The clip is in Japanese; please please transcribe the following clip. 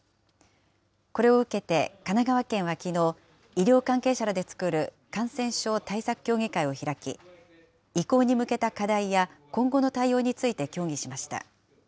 これを受けて神奈川県はきのう、医療関係者らで作る感染症対策協議会を開き、移行に向けた課題や今後の対応について協議しました。